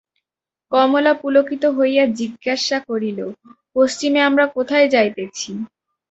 কমলা পুলকিত হইয়া জিজ্ঞাসা করিল, পশ্চিমে আমরা কোথায় যাইতেছি?